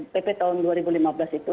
pp tahun dua ribu lima belas itu